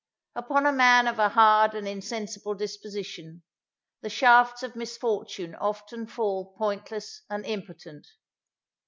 Upon a man of a hard and insensible disposition, the shafts of misfortune often fall pointless and impotent.